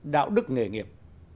đạo đức nghề nghiệp